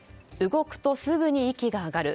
動くとすぐに息が上がる。